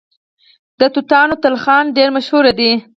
د توتانو تلخان ډیر مشهور دی.